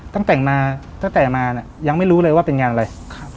ตั้งแต่งมาตั้งแต่มาเนี่ยยังไม่รู้เลยว่าเป็นงานอะไร